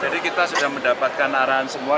jadi kita sudah mendapatkan arahan semua